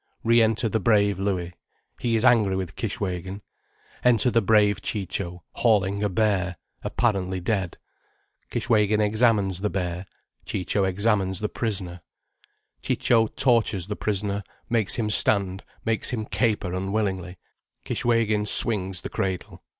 Re enter the brave Louis—he is angry with Kishwégin—enter the brave Ciccio hauling a bear, apparently dead. Kishwégin examines the bear, Ciccio examines the prisoner. Ciccio tortures the prisoner, makes him stand, makes him caper unwillingly. Kishwégin swings the cradle.